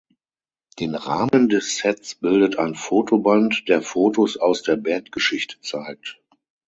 Den Rahmen des Sets bildet ein Fotoband, der Fotos aus der Bandgeschichte zeigt.